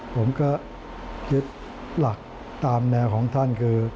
ผมก็คิดหลักตามแนวของท่านคือ